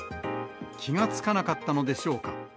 気が付かなかったのでしょうか。